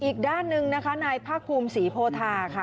อีกด้านหนึ่งนะคะนายภาคภูมิศรีโพธาค่ะ